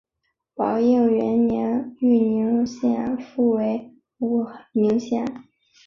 宝应元年豫宁县复为武宁县。